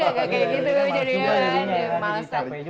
gak kayak gitu kan